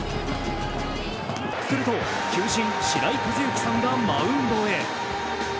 すると球審・白井一行さんがマウンドへ。